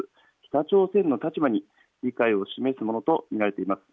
北朝鮮の立場に理解を示すものと見られています。